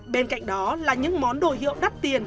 bên cạnh đó là những món đồ hiệu đắt tiền